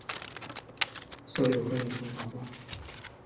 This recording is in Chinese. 所以我跟你同房吗？